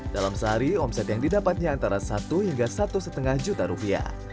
dalam sehari omset yang didapatnya antara satu hingga satu lima juta rupiah